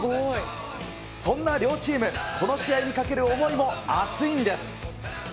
そんな両チーム、この試合にかける思いも熱いんです。